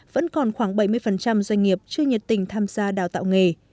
vẫn còn khoảng bảy mươi doanh nghiệp chưa nhiệt tình tham gia đào tạo nghề